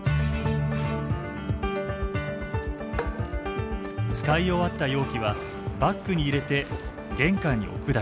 使い終わった容器はバッグに入れて玄関に置くだけです。